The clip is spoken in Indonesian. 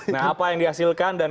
nah apa yang dihasilkan